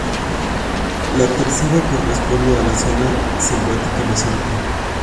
La tercera corresponde a la zona selvática amazónica.